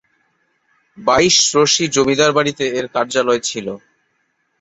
বাইশ রশি জমিদার বাড়ীতে এর কার্যালয় ছিল।